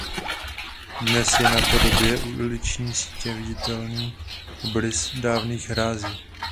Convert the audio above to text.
Dodnes je na podobě uliční sítě viditelný obrys dávných hrází.